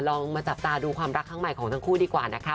ลองมาจับตาดูความรักของทั้งคู่ดีกว่านะคะ